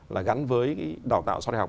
là gắn với đào tạo sau đại học